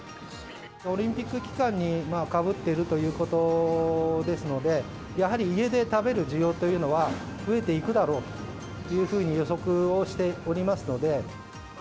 オリンピック期間にかぶっているということですので、やはり家で食べる需要というのは、増えていくだろうというふうに予測をしておりますので。